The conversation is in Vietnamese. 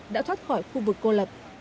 đã thoát khỏi khu vực cô lập